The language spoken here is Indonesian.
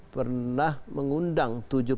pernah mengundang tujuh puluh enam